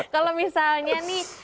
kalau misalnya nih